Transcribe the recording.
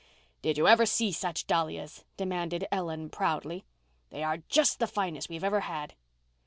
"Did you ever see such dahlias?" demanded Ellen proudly. "They are just the finest we've ever had."